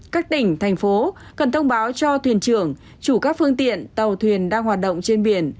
các tỉnh thành phố cần thông báo cho thuyền trưởng chủ các phương tiện tàu thuyền đang hoạt động trên biển